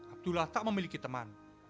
abdullah tak memiliki teman